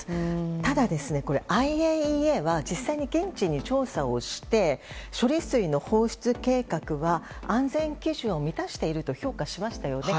ただ、ＩＡＥＡは実際に現地に調査をして処理水の放出計画は安全基準を満たしていると評価しましたよね。